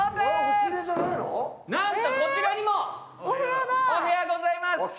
なんとこちらにもお部屋がございます。